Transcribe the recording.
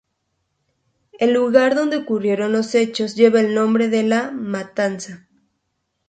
El lugar donde ocurrió los hechos lleva el nombre de La Matanza.